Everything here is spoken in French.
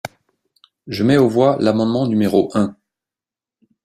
Je mets aux voix l’amendement numéro un.